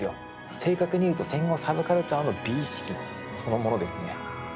正確に言うと戦後サブカルチャーの美意識そのものですね。